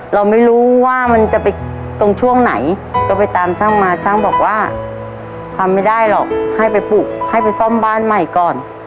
เราไม่รู้ว่ามันจะไปตรงช่วงไหนก็ไปตามช่างมาช่างบอกว่าทำไม่ได้หรอกให้ไปปลูกให้ไปซ่อมบ้านใหม่ก่อน